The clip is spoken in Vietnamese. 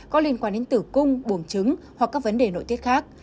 có liên quan đến tử cung buồn chứng hoặc các vấn đề nội tiết khác